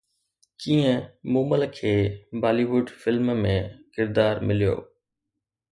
ڪيئن مومل کي Bollywood film ۾ ڪردار مليو